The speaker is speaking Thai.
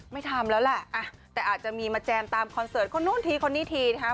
ไม่ทำแล้วแหละแต่อาจจะมีมาแจมตามคอนเสิร์ตคนนู้นทีคนนี้ทีนะคะ